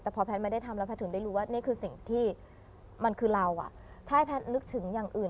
แต่พอแพทย์ไม่ได้ทำแล้วแพทย์ถึงได้รู้ว่านี่คือสิ่งที่มันคือเราถ้าให้แพทย์นึกถึงอย่างอื่น